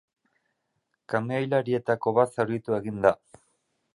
Kamioilarietako bat zauritu egin da.